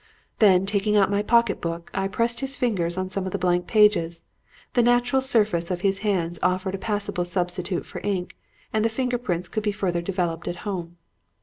Then, taking out my pocket book, I pressed his fingers on some of the blank leaves. The natural surface of his hands offered a passable substitute for ink and the finger prints could be further developed at home.